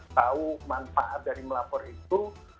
tahu manfaat dari melapor itu